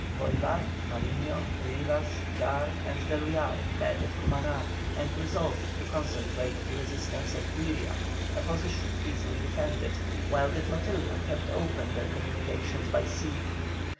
Bolívar, Mariño, Rivas, Piar and D'Eluyar met at Cumaná, and resolved to concentrate the resistance at Güiria, a position easily defended, while the flotilla kept open their communications by sea.